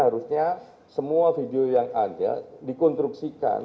harusnya semua video yang ada dikonstruksikan